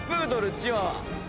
チワワ。